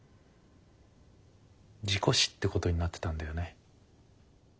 事故死ってことになってたんだよね？